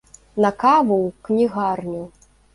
На каву ў кнігарню!